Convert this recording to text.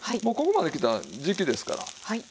もうここまできたらじきですから。